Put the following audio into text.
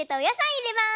いれます。